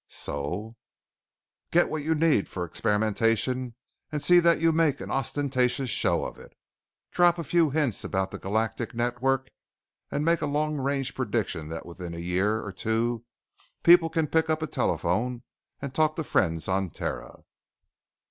"So " "Get what you need for experimentation and see that you make an ostentatious show of it. Drop a few hints about the Galactic Network and make a long range prediction that within a year or two people can pick up a telephone and talk to friends on Terra."